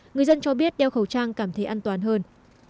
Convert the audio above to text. người dân cho biết đeo khẩu trang cảm thấy an toàn hơn